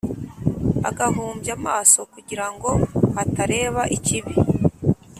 agahumbya amaso kugira ngo atareba ikibi.